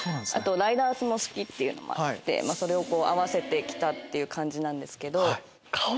あとライダースも好きっていうのもあってそれを合わせて着たっていう感じなんですけど。